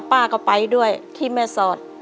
ป้าก็ไปด้วยที่แม่สอด